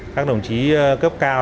các đồng chí cấp cao